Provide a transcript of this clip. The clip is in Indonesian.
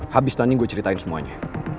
habis nanti gue ceritain semuanya